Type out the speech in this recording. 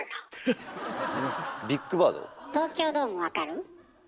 東京ドーム分かる？